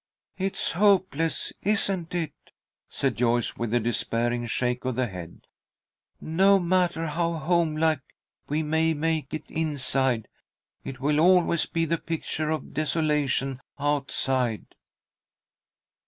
"It's hopeless, isn't it!" said Joyce, with a despairing shake of the head. "No matter how homelike we may make it inside, it will always be the picture of desolation outside."